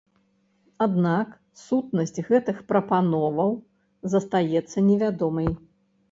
Аднак сутнасць гэтых прапановаў застаецца невядомай.